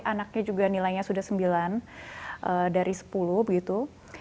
anaknya juga nilainya sudah sembilan dari sepuluh begitu